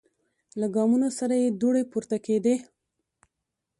له ګامونو سره یې دوړې پورته کیدې.